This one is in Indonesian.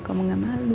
kamu gak malu